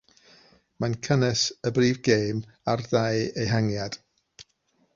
Mae'n cynnwys y brif gêm a'r ddau ehangiad.